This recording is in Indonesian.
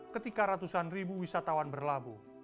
ketika ratusan ribu wisatawan berlabuh